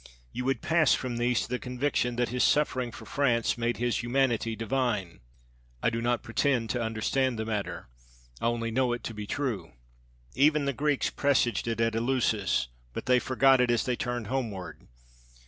You would pass from these to the conviction that his suffering for France made his humanity divine. I do not pretend to understand the matter. I only know it to be true. Even the Greeks presaged it at Eleusis, but they forgot it as they turned homeward.